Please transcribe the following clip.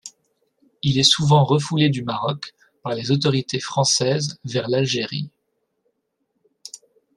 Il est souvent refoulé du Maroc par les autorités françaises vers l'Algérie.